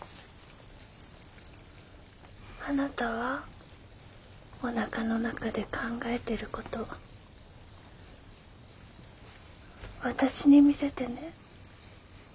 あなたはおなかの中で考えてること私に見せてね。